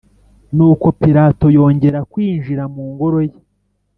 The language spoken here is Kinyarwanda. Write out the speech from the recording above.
Nuko Pilato yongera kwinjira mu ngoro ye